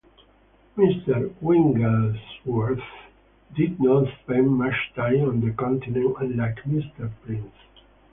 Mr Wigglesworth did not spend much time on the continent unlike Mr Prince